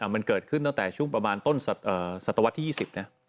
มันเกิดขึ้นตั้งแต่ช่วงประมาณต้นศตวรรษที่๒๐นะ